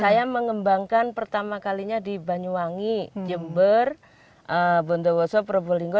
saya mengembangkan pertama kalinya di banyuwangi jember bondowoso probolinggo